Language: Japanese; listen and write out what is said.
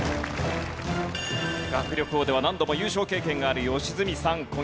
学力王では何度も優勝経験がある良純さん。